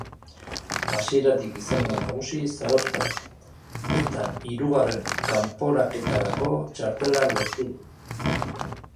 Hasieratik izan da nagusi zarauztarra eta hirugarren kanporaketarako txartela lortu du.